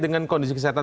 dengan kondisi kesehatan